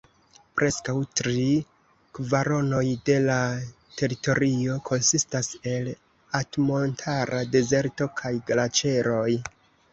Preskaŭ tri kvaronoj de la teritorio konsistas el altmontara dezerto kaj glaĉeroj.